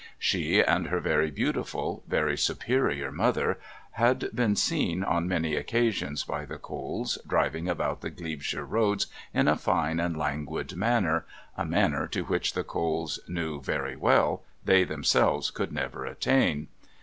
She and her very beautiful, very superior mother had been seen on many occasions by the Coles driving about the Glebeshire roads in a fine and languid manner, a manner to which the Coles knew, very well, they themselves could never attain.